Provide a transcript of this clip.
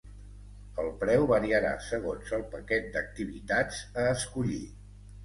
El preu variarà segons el paquet d'activitats a escollir.